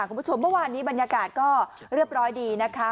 คุณผู้ชมเมื่อวานนี้บรรยากาศก็เรียบร้อยดีนะคะ